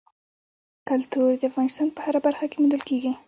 کلتور د افغانستان په هره برخه کې موندل کېږي.